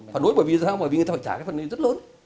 phản đối bởi vì sao bởi vì người ta phải trả cái phần này rất lớn